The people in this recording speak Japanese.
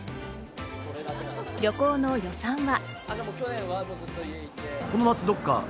旅行の予算は？